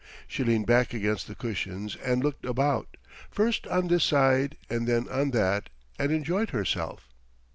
She leaned back against the cushions and looked about, first on this side and then on that, and enjoyed herself.